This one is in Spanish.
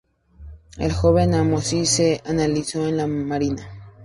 El joven Amosis se alistó en la marina.